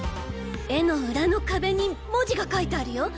絵の裏の壁に文字が書いてあるよ。